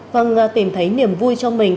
vâng tìm thấy niềm vui cho mình